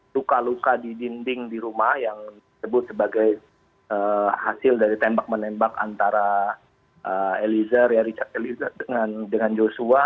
luka luka di dinding di rumah yang disebut sebagai hasil dari tembak menembak antara eliezer dengan joshua